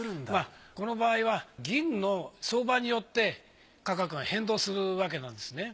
この場合は銀の相場によって価格が変動するわけなんですね。